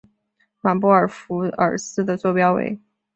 马布尔福尔斯的座标为。